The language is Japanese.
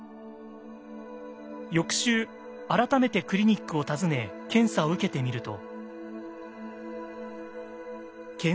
翌週改めてクリニックを訪ね検査を受けてみると。